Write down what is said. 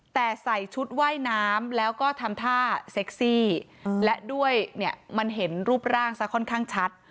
แต่ใส่ชุดว่ายน้ำแล้วก็ทำท่าเซ็กซี่และด้วยเนี่ยมันเห็นรูปร่างซะค่อนข้างชัด